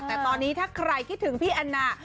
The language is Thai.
แต่ตอนนี้ถ้าใครคิดถึงพี่แอนนา